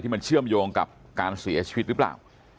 มันเชื่อมโยงกับการเสียชีวิตหรือเปล่า